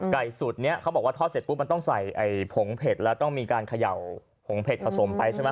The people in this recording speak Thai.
สูตรนี้เขาบอกว่าทอดเสร็จปุ๊บมันต้องใส่ผงเผ็ดแล้วต้องมีการเขย่าผงเผ็ดผสมไปใช่ไหม